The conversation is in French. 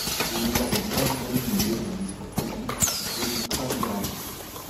Il n'y a donc pas d'unanimité dans le discours politique pour situer l'ultra-libéralisme.